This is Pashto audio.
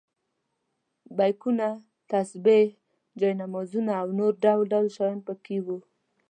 بیکونه، تسبیح، جاینمازونه او نور ډول ډول شیان په کې وو.